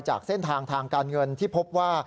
จากเส้นทางทางการเงินที่พบว่า